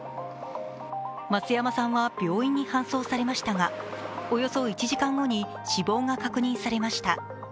増山さんは病院に搬送されましたが、およそ１時間後に死亡が確認されました。